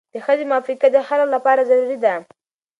د ښځې موافقه د خلع لپاره ضروري ده.